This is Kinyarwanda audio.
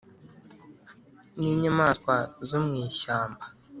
ni inyamaswa zo mu ishyamba